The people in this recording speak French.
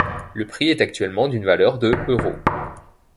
Le prix est actuellement d'une valeur de euros.